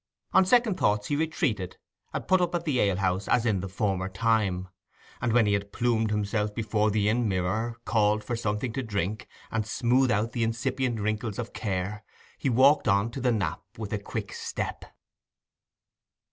On second thoughts he retreated and put up at the ale house as in former time; and when he had plumed himself before the inn mirror, called for something to drink, and smoothed out the incipient wrinkles of care, he walked on to the Knap with a quick step.